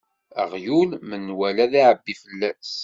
Aɣyul, menwala iɛebbi fell-as.